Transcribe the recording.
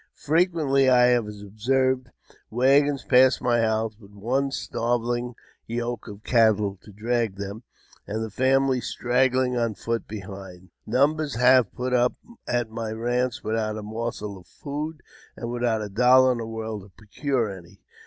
Frequently I have observed waggons pass my house with one starve lingyoke of cattle to drag them, and the family straggling on foot behind. Numbers have put up at my ranch without a morsel of food, and without a dollar in the world to procure any.